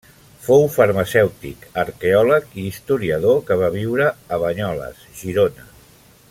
Fou farmacèutic, arqueòleg i historiador que va viure a Banyoles, Girona.